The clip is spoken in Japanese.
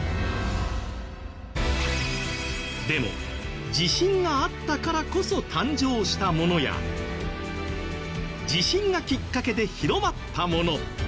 でも地震があったからこそ誕生したものや地震がきっかけで広まったもの